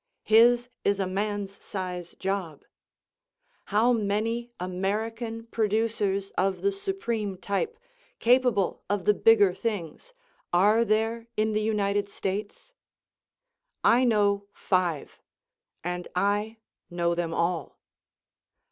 His is a man's size job. How many American producers of the supreme type, capable of the bigger things, are there in the United States? I know five. And I know them all.